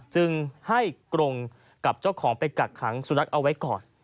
จึงให้กรงกับเจ้าของไปกักขังสุนัขเอาไว้ก่อน